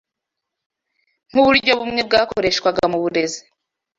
Nk’uburyo bumwe bwakoreshwaga mu burezi